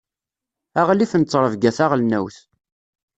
Aγlif n ttṛebga taγelnawt.